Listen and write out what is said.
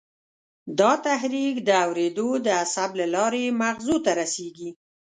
دا تحریک د اورېدو د عصب له لارې مغزو ته رسېږي.